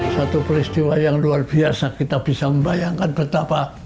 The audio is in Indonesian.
suatu peristiwa yang luar biasa kita bisa membayangkan betapa